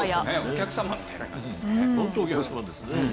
お客様みたいな感じですよね。